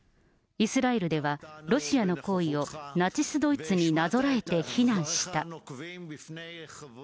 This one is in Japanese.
イスラエルでは、ロシアの行為をナチスドイツになぞらえて非難した。